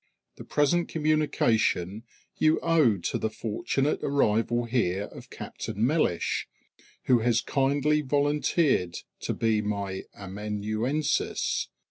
The present communication you owe to the fortunate arrival here of Captain Mellish, who has kindly volunteered to be my amanuensis.